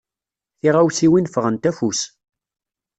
Tiɣawsiwin ffɣent afus.